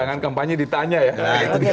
jangan kampanye ditanya ya